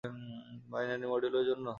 Binary মডিউলের জন্য?